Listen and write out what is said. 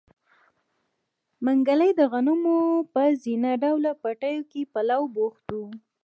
منګلی د غنمو په زينه ډوله پټيو کې په لو بوخت و.